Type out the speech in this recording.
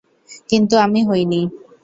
কিন্তু আমি হয়নি।